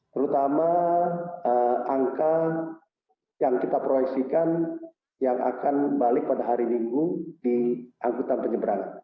terutama angka yang kita proyeksikan yang akan balik pada hari minggu di angkutan penyeberangan